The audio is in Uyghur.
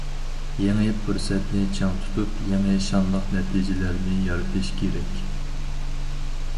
يېڭى پۇرسەتنى چىڭ تۇتۇپ، يېڭى شانلىق نەتىجىلەرنى يارىتىش كېرەك.